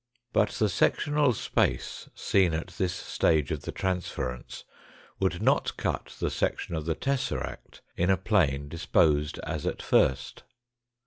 But the sectional space seen at this stage of the trans ference would not cut the section of the tesseract in a plane disposed as at first.